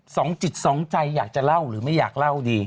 สองจิตสองใจอยากจะเล่าหรือไม่อยากเล่าดี